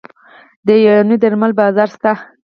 د یوناني درملو بازار شته؟